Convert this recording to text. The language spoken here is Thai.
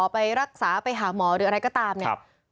ไปรักษาไปหาหมอหรืออะไรก็ตามเนี่ย